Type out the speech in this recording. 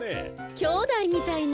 きょうだいみたいね。